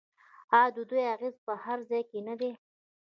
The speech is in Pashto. آیا د دوی اغیز په هر ځای کې نه دی؟